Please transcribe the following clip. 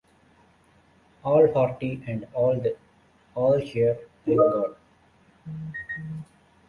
All hearty and all here, thank God!